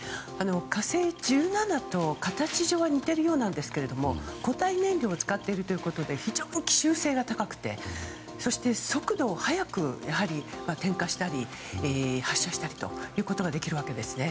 「火星１７」と形上は似ているようなんですけれども固体燃料を使っているということで非常に奇襲性が高くて速度を速く点火したり、発射したりということができるわけですね。